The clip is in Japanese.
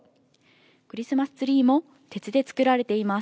クリスマスツリーも鉄で作られています。